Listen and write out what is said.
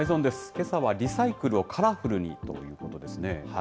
けさはリサイクルをカラフルに！ということですね。